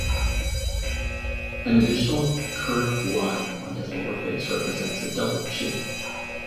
An additional curved line on his lower face represents a double chin.